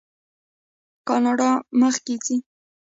کاناډا مخکې ځي.